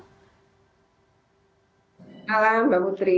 selamat malam mbak putri